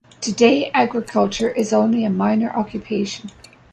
Today, agriculture is only a minor occupation.